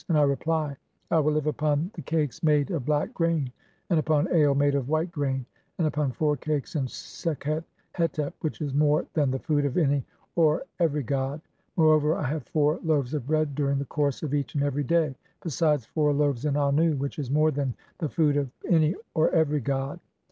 [And I reply], 'I will live upon (16) the "cakes [made] of black grain, and upon ale [made] of white "grain, and upon four cakes in Sekhet Hetep, which is more "than [the food] of any (or every) god. Moreover, I have four "loaves of bread during the course (17) of each and every day, "besides four loaves in Annu, which is more than [the food] "of any (or every) god'.